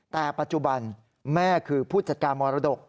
แต่ปัจจุบันแม่คือผู้จัดการมรดก